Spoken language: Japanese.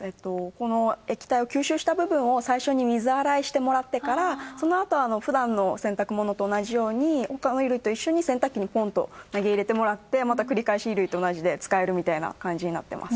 この液体を吸収した部分を最初に水洗いしてもらってからそのあとふだんの洗濯物と同じように他の衣類と一緒に洗濯機にポンと投げ入れてもらってまた繰り返し衣類と同じで使えるみたいな感じになってます。